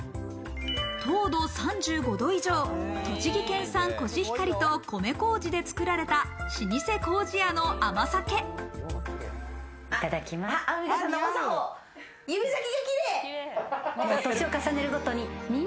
糖度３５度以上、栃木県産コシヒカリと米麹で作られた老舗糀屋のあまさけ。